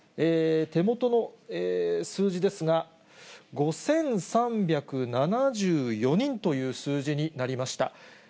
手元の数字ですが、５３７４人という数字になりました。